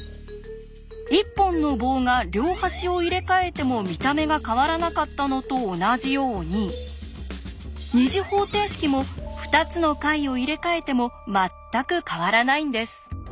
一本の棒が両端を入れ替えても見た目が変わらなかったのと同じように２次方程式も２つの解を入れ替えても全く変わらないんです。